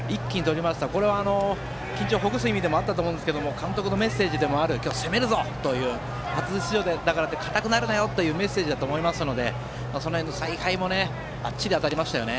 これは緊張をほぐす意味もあったと思いますが監督の今日は行くぞという初出場だからって硬くなるなよというメッセージだと思いますのでその辺の采配もばっちり当たりましたよね。